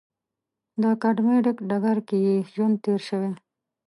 په اکاډمیک ډګر کې یې ژوند تېر شوی.